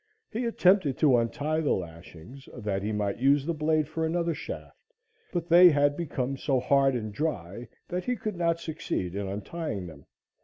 He attempted to untie the lashings, that he might use the blade for another shaft, but they had become so hard and dry that he could not succeed in untying them.